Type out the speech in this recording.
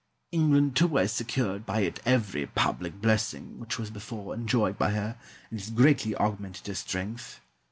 England, too, has secured by it every public blessing which was before enjoyed by her, and has greatly augmented her strength.